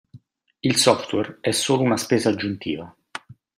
Il software è solo una spesa aggiuntiva.